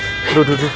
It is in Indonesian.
aduh aduh aduh